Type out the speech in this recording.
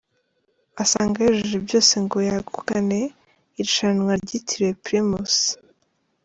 Asanga yujuje byose ngo yagukane irushanwa ryitiriwe Primus.